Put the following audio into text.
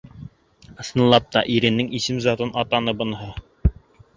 Ысынлап та иренең исем-затын атаны быныһы.